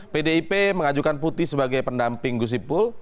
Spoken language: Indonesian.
pdip mengajukan putih sebagai pendamping gusipul